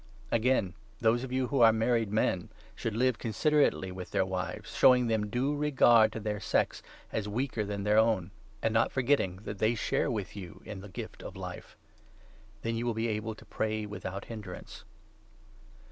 Again, those of you who are married men should live 7 considerately with their wives, showing due regard to their sex, as weaker than their own, and not forgetting that they share with you in the gift of Life. Then you will be able to pray without hindrance.